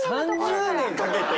３０年かけて！？